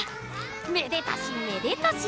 めでたしめでたし！